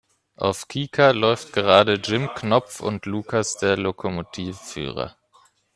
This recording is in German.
Auf Kika läuft gerade "Jim Knopf und Lukas der Lokomotivführer".